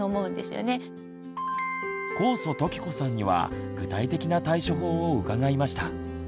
高祖常子さんには具体的な対処法を伺いました。